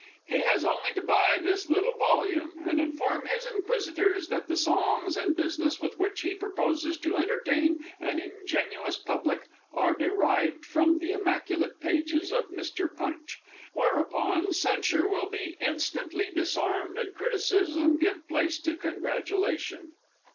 He has only to buy this little volume, and inform his inquisitors that the songs and business with which he proposes to entertain an ingenuous public are derived from the immaculate pages of Mr. Punch. Whereupon censure will be instantly disarmed and criticism give place to congratulation.